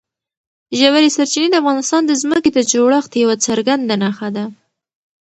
ژورې سرچینې د افغانستان د ځمکې د جوړښت یوه څرګنده نښه ده.